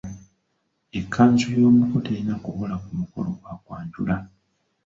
Ekkanzu y’omuko terina kubula ku mukolo gwa kwanjula.